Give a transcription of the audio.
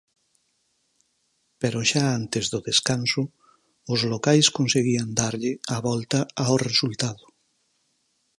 Pero xa antes do descanso os locais conseguían darlle a volta ao resultado.